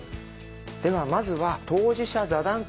ではまずは当事者座談会。